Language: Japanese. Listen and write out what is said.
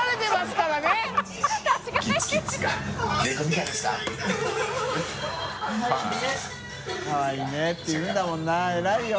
かわいいね」って言うんだもんな偉いよ。